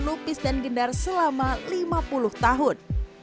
lupis dan gendar selama lima puluh tahun